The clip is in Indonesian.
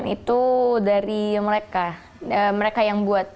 itu dari mereka mereka yang buat